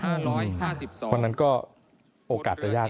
เพราะฉะนั้นก็โอกาสจะยาก